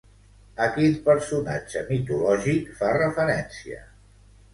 A quin personatge mitològic fa referència?